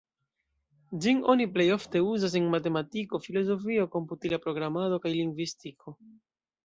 Ĝin oni plej ofte uzas en matematiko, filozofio, komputila programado, kaj lingvistiko.